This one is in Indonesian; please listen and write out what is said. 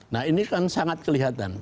nah ini kan sangat kelihatan